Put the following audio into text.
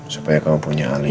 supaya kamu punya alih